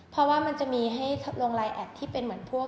เพราะว่ามันจะมีให้ลงไลน์แอดที่เป็นเหมือนพวก